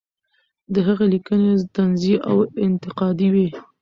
د هغې لیکنې طنزي او انتقادي وې.